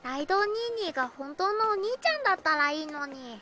にーにーが本当のお兄ちゃんだったらいいのに。